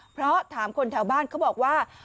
เพราะถามคนแถวบ้านเขาบอกว่า